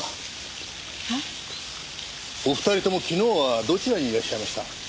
お二人とも昨日はどちらにいらっしゃいました？